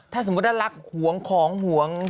ถ้าสมมุติลักษณ์ห่วงของห่วง